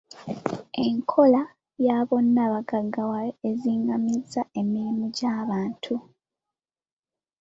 Enkola ya bonna bagaggawale ezingamizza emirimu gy'abantu.